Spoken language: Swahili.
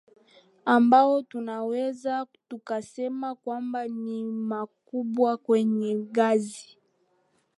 ambao tunaweza tukasema kwamba ni makubwa kwenye gazi